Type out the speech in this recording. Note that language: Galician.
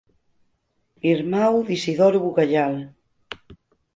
Irmán de Isidoro Bugallal.